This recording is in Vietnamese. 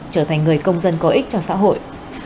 trở thành người công dân có ích cho xã hội